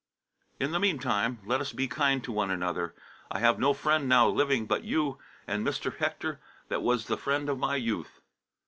"In the meantime, let us be kind to one another. I have no friend now living but you and Mr. Hector that was the friend of my youth.